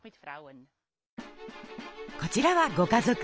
こちらはご家族。